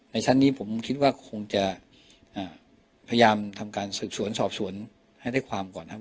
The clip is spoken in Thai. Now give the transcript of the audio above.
ชั้นนี้ผมคิดว่าคงจะพยายามทำการสืบสวนสอบสวนให้ได้ความก่อนนะครับ